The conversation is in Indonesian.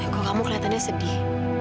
kok kamu keliatannya sedih